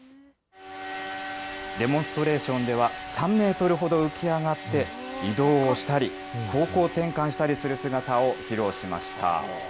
デモンストレーションでは３メートルほど浮き上がって、移動をしたり、方向転換したりする姿を披露しました。